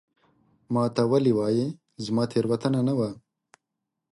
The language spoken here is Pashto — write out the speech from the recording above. ما ته ولي وایې ؟ زما تېروتنه نه وه